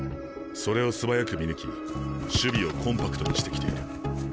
それを素早く見抜き守備をコンパクトにしてきている。